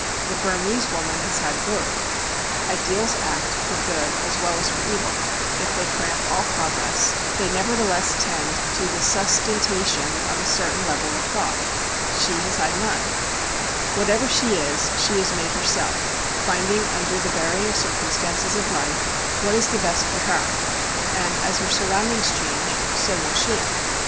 The Burmese woman has had both. Ideals act for good as well as for evil; if they cramp all progress, they nevertheless tend to the sustentation of a certain level of thought. She has had none. Whatever she is, she has made herself, finding under the varying circumstances of life what is the best for her; and as her surroundings change, so will she.